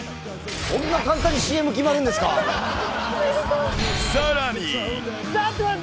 こんな簡単にＣＭ、決まるんさらに。